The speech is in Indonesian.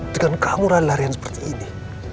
dengan kamu ralarian seperti ini